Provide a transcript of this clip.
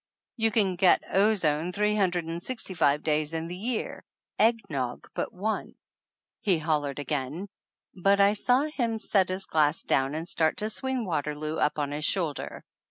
"You can get ozone three hundred and sixty five days in the year, egg nog but one !" he hol lered again, but I saw him set his glass down and start to swing Waterloo up on his shoulder.